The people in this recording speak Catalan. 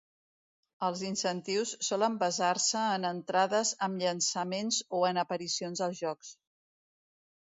Els incentius solen basar-se en entrades amb llançaments o en aparicions als jocs.